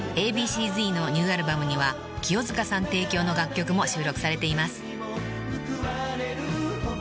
［Ａ．Ｂ．Ｃ−Ｚのニューアルバムには清塚さん提供の楽曲も収録されています］